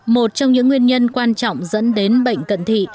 một trong những nguyên nhân quan trọng dẫn đến bệnh cận thị